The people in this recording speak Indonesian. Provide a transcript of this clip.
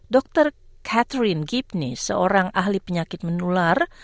dr catherine gibney seorang ahli penyakit menular